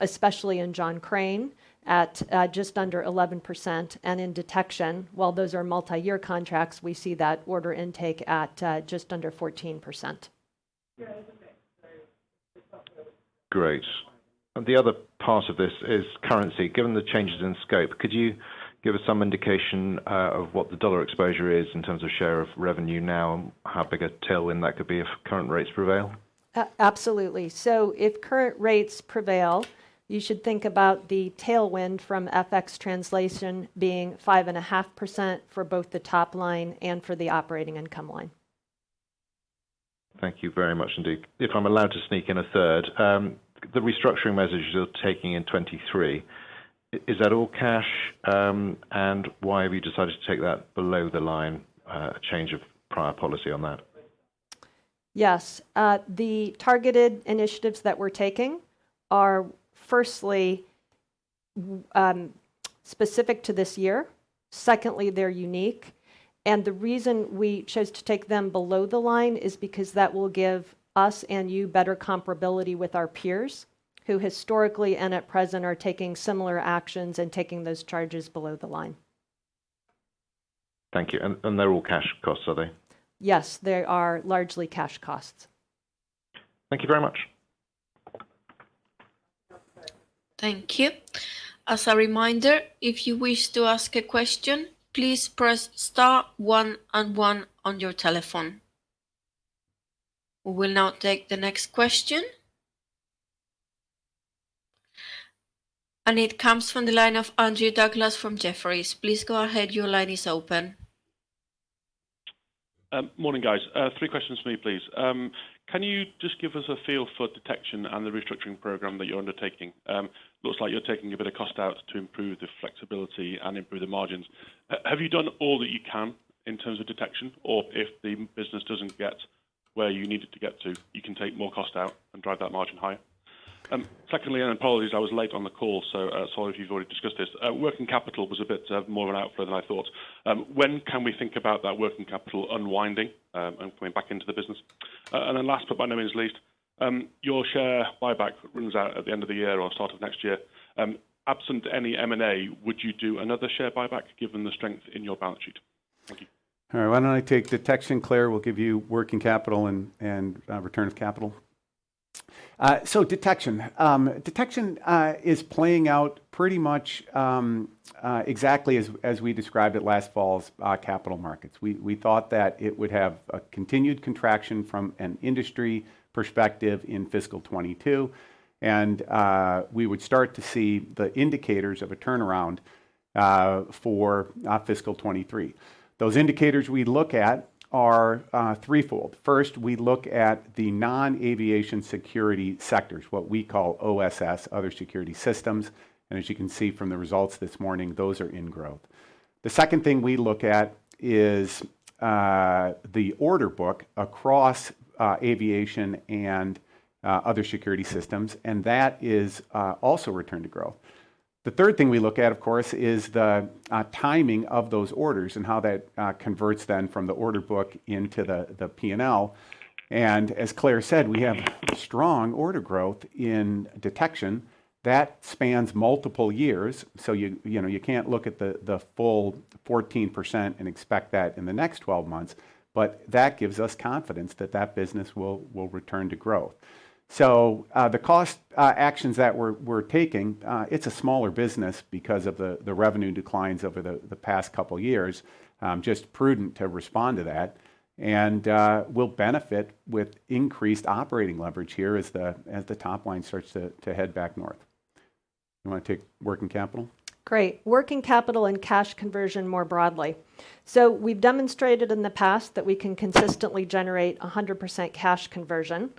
especially in John Crane at just under 11% and in Detection. While those are multi-year contracts, we see that order intake at just under 14%. Great. Great. The other part of this is currency. Given the changes in scope, could you give us some indication of what the dollar exposure is in terms of share of revenue now and how big a tailwind that could be if current rates prevail? Absolutely. If current rates prevail, you should think about the tailwind from FX translation being 5.5% for both the top line and for the operating income line. Thank you very much indeed. If I'm allowed to sneak in a third, the restructuring measures you're taking in 2023, is that all cash? Why have you decided to take that below the line, change of prior policy on that? Yes. The targeted initiatives that we're taking are firstly, specific to this year. Secondly, they're unique. The reason we chose to take them below the line is because that will give us and you better comparability with our peers who historically and at present are taking similar actions and taking those charges below the line. Thank you. They're all cash costs, are they? Yes. They are largely cash costs. Thank you very much. Thank you. As a reminder, if you wish to ask a question, please press star one and one on your telephone. We will now take the next question. It comes from the line of Andrew Douglas from Jefferies. Please go ahead. Your line is open. Morning, guys. Three questions for me, please. Can you just give us a feel for Smiths Detection and the restructuring program that you're undertaking? Looks like you're taking a bit of cost out to improve the flexibility and improve the margins. Have you done all that you can in terms of Smiths Detection? Or if the business doesn't get where you need it to get to, you can take more cost out and drive that margin higher? Secondly, apologies I was late on the call, sorry if you've already discussed this. Working capital was a bit more of an outflow than I thought. When can we think about that working capital unwinding and coming back into the business? Last, but by no means least, your share buyback runs out at the end of the year or start of next year. Absent any M&A, would you do another share buyback given the strength in your balance sheet? Thank you. All right. Why don't I take Detection, Clare will give you working capital and return of capital. Detection is playing out pretty much exactly as we described it last fall's capital markets. We thought that it would have a continued contraction from an industry perspective in fiscal 2022, and we would start to see the indicators of a turnaround for fiscal 2023. Those indicators we look at are threefold. First, we look at the non-aviation security sectors, what we call OSS, Other Security Systems. As you can see from the results this morning, those are in growth. The second thing we look at is the order book across aviation and Other Security Systems, and that is also returned to growth. The third thing we look at, of course, is the timing of those orders and how that converts then from the order book into the P&L. As Clare said, we have strong order growth in Detection that spans multiple years. You know, you can't look at the full 14% and expect that in the next 12 months, but that gives us confidence that that business will return to growth. The cost actions that we're taking, it's a smaller business because of the revenue declines over the past couple years, just prudent to respond to that. We'll benefit with increased operating leverage here as the top line starts to head back north. You wanna take working capital? Great. Working capital and cash conversion more broadly. We've demonstrated in the past that we can consistently generate 100% cash conversion.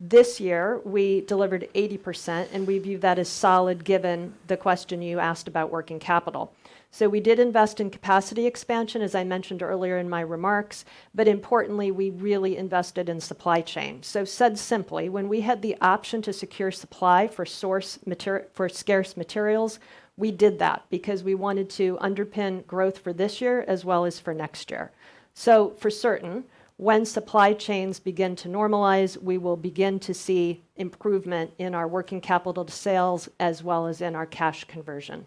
This year, we delivered 80%, and we view that as solid given the question you asked about working capital. We did invest in capacity expansion, as I mentioned earlier in my remarks, but importantly, we really invested in supply chain. Said simply, when we had the option to secure supply for scarce materials, we did that because we wanted to underpin growth for this year as well as for next year. For certain, when supply chains begin to normalize, we will begin to see improvement in our working capital to sales as well as in our cash conversion.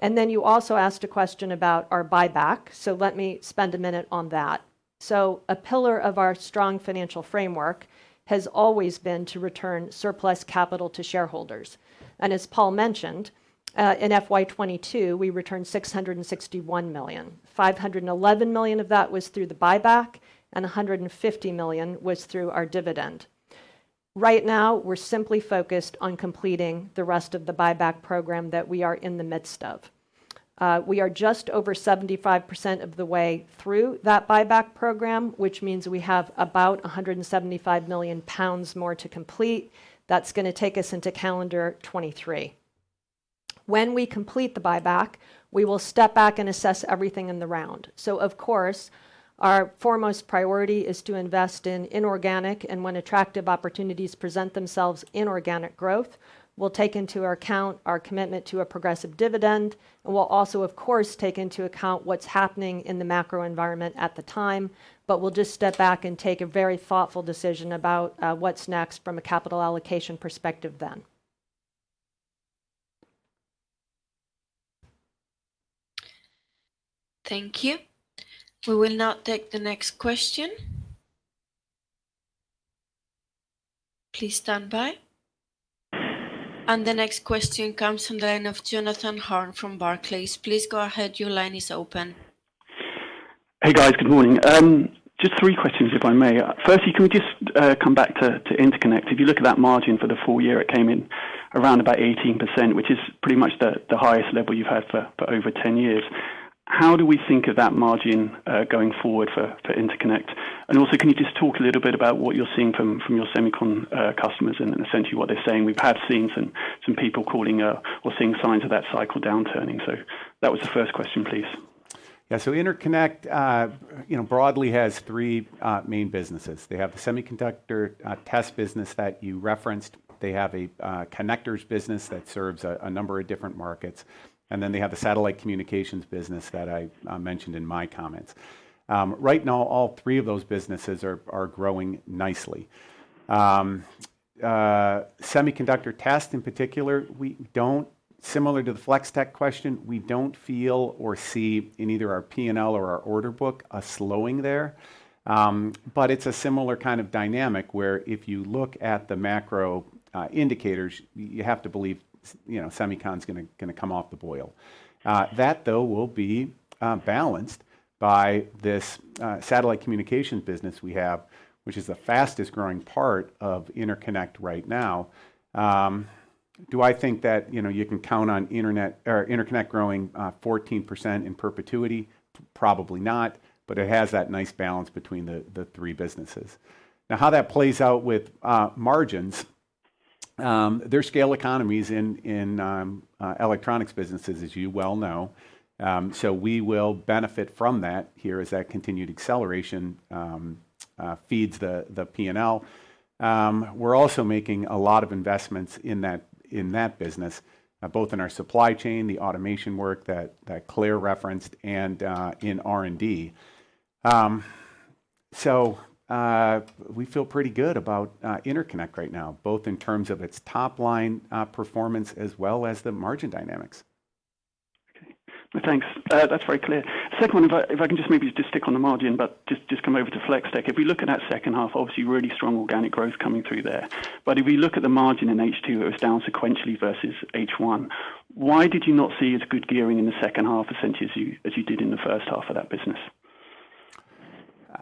Then you also asked a question about our buyback, so let me spend a minute on that. A pillar of our strong financial framework has always been to return surplus capital to shareholders. And as Paul mentioned, in FY2022, we returned 661 million. 511 million of that was through the buyback, and 150 million was through our dividend. Right now, we're simply focused on completing the rest of the buyback program that we are in the midst of. We are just over 75% of the way through that buyback program, which means we have about 175 million pounds more to complete. That's gonna take us into calendar 2023. When we complete the buyback, we will step back and assess everything in the round. Of course, our foremost priority is to invest in inorganic, and when attractive opportunities present themselves, inorganic growth. We'll take into account our commitment to a progressive dividend, and we'll also, of course, take into account what's happening in the macro environment at the time. We'll just step back and take a very thoughtful decision about what's next from a capital allocation perspective then. Thank you. We will now take the next question. Please stand by. The next question comes from the line of Jonathan Hurn from Barclays. Please go ahead. Your line is open. Hey, guys. Good morning. Just three questions, if I may. Firstly, can we just come back to Interconnect? If you look at that margin for the full year, it came in around about 18%, which is pretty much the highest level you've had for over 10 years. How do we think of that margin going forward for Interconnect? And also, can you just talk a little bit about what you're seeing from your semiconductor customers and essentially what they're saying? We have seen some people calling or seeing signs of that cycle downturning. That was the first question, please. Interconnect broadly has three main businesses. They have the semiconductor test business that you referenced. They have a connectors business that serves a number of different markets. And then they have the satellite communications business that I mentioned in my comments. Right now, all three of those businesses are growing nicely. Semiconductor test in particular, similar to the Flex-Tek question, we don't feel or see in either our P&L or our order book a slowing there. It's a similar kind of dynamic, where if you look at the macro indicators, you have to believe semicon's gonna come off the boil. That though will be balanced by this satellite communications business we have, which is the fastest growing part of Interconnect right now. Do I think that, you know, you can count on Interconnect growing 14% in perpetuity? Probably not, but it has that nice balance between the three businesses. Now how that plays out with margins, there are scale economies in electronics businesses, as you well know. We will benefit from that here as that continued acceleration feeds the P&L. We're also making a lot of investments in that business, both in our supply chain, the automation work that Clare referenced, and in R&D. We feel pretty good about Interconnect right now, both in terms of its top line performance as well as the margin dynamics. Okay. Well, thanks. That's very clear. Second one, if I can just maybe just stick on the margin, but just come over to Flex-Tek. If we look at that second half, obviously really strong organic growth coming through there. But if we look at the margin in H2, it was down sequentially versus H1. Why did you not see as good gearing in the second half essentially as you did in the first half of that business?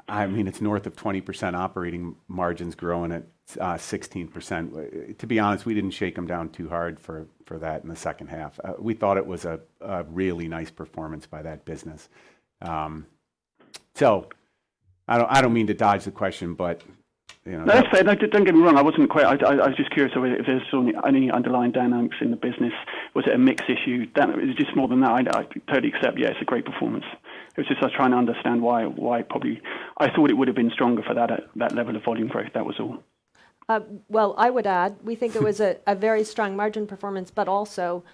I mean, it's north of 20% operating margins growing at 16%. To be honest, we didn't shake them down too hard for that in the second half. We thought it was a really nice performance by that business. I don't mean to dodge the question, but you know. No, fair. Don't get me wrong. I was just curious whether if there was any underlying dynamics in the business. Was it a mix issue? Is it just more than that? I totally accept, yeah, it's a great performance. It was just, I was trying to understand why probably I thought it would've been stronger for that at that level of volume growth. That was all. Well, I would add, we think it was a very strong margin performance, but also,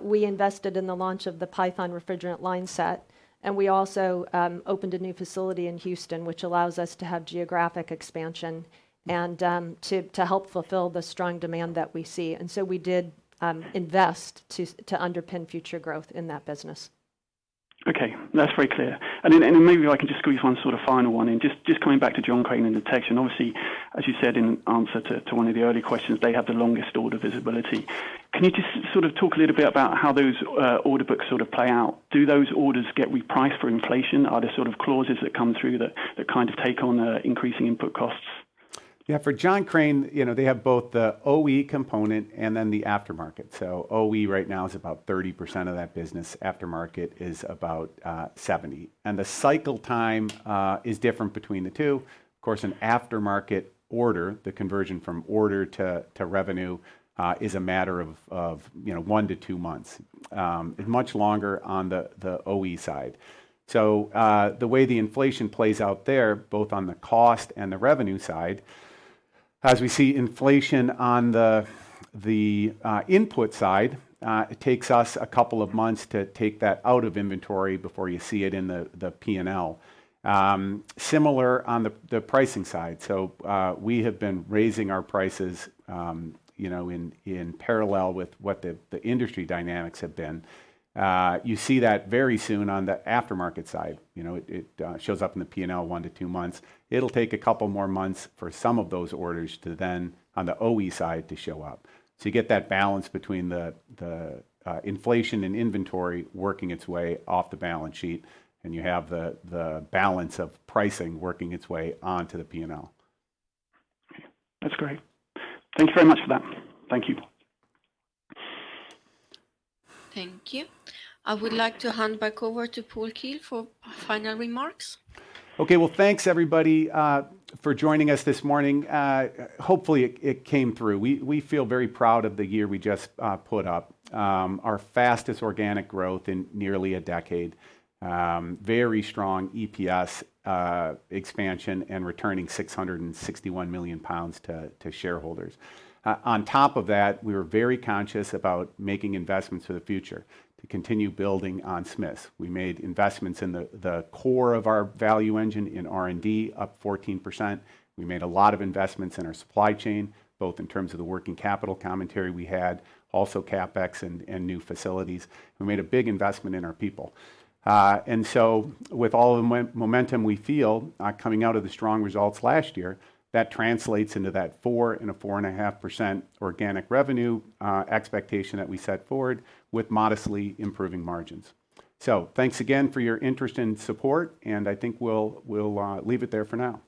we invested in the launch of the Python refrigerant line set, and we also opened a new facility in Houston, which allows us to have geographic expansion and to help fulfill the strong demand that we see. We did invest to underpin future growth in that business. Okay. That's very clear. Maybe I can just squeeze one sort of final one in. Just coming back to John Crane and Smiths Detection. Obviously, as you said in answer to one of the earlier questions, they have the longest order visibility. Can you just sort of talk a little bit about how those order books sort of play out? Do those orders get repriced for inflation? Are there sort of clauses that come through that kind of take on increasing input costs? Yeah. For John Crane, you know, they have both the OE component and then the aftermarket. OE right now is about 30% of that business. Aftermarket is about 70%. The cycle time is different between the two. Of course, an aftermarket order, the conversion from order to revenue, is a matter of you know, 1-2 months. Much longer on the OE side. The way the inflation plays out there, both on the cost and the revenue side, as we see inflation on the input side, it takes us a couple of months to take that out of inventory before you see it in the P&L. Similar on the pricing side. We have been raising our prices, you know, in parallel with what the industry dynamics have been. You see that very soon on the aftermarket side. You know, it shows up in the P&L 1-2 months. It'll take a couple more months for some of those orders to then on the OE side to show up. You get that balance between the inflation and inventory working its way off the balance sheet, and you have the balance of pricing working its way onto the P&L. Okay. That's great. Thank you very much for that. Thank you. Thank you. I would like to hand back over to Paul Keel for final remarks. Okay. Well, thanks everybody for joining us this morning. Hopefully it came through. We feel very proud of the year we just put up. Our fastest organic growth in nearly a decade. Very strong EPS expansion and returning 661 million pounds to shareholders. On top of that, we were very conscious about making investments for the future to continue building on Smiths. We made investments in the core of our Smiths Value Engine in R&D, up 14%. We made a lot of investments in our supply chain, both in terms of the working capital commentary we had, also CapEx and new facilities. We made a big investment in our people. With all the momentum we feel coming out of the strong results last year, that translates into that 4%-4.5% organic revenue expectation that we set forward with modestly improving margins. Thanks again for your interest and support, and I think we'll leave it there for now.